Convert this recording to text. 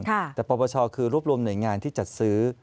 แต่ปปชคือรวบรวมหน่วยงานที่จัดซื้อ